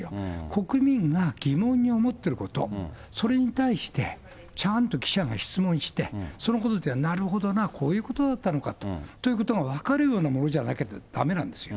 国民が疑問に思ってること、それに対して、ちゃんと記者が質問して、そのことで、なるほどな、こういうことだったのかということが分かるようなものじゃなきゃだめなんですよ。